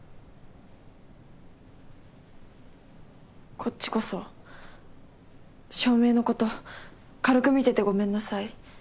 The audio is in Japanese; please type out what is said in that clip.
こっちこそ照明のこと軽く見ててごめんなさい。